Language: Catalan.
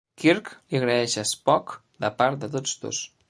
Kirk li agraeix a Spock: "de part de tots dos".